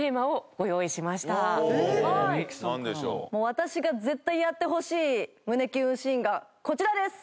私が絶対やってほしい胸キュンシーンがこちらです！